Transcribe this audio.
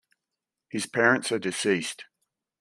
His parents are deceased.